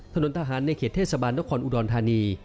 ถนนทหารในเขตเทศบาลนครอุดรธานี